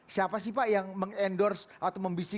siapa sih pak yang mengendorse atau membisik